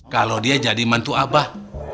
kalau dia jadi mantu abah